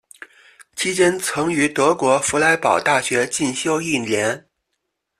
期间曾于德国佛莱堡大学进修一年。